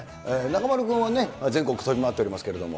中丸君は、全国飛び回っておりますけれども。